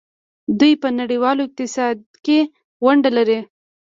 دوی په نړیوال اقتصاد کې ونډه لري.